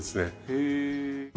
へえ。